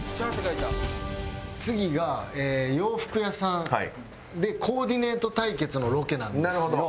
次が洋服屋さんでコーディネート対決のロケなんですよ。